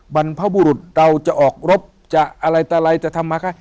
บรรพบุรุษเราจะออกรบจะอะไรต่ออะไรจะทำมาคะ